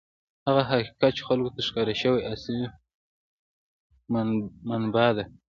هغه حقیقت چې خلکو ته ښکاره شوی، اصلي مبنا ده.